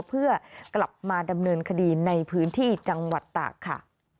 เพื่อกลับมาดำเนินคดีในพื้นที่จังหวัดตากค่ะ